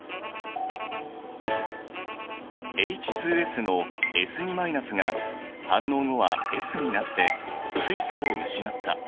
ＨＳのＳが反応後はＳになって水素を失った。